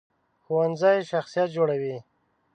ښوونځی شخصیت جوړوي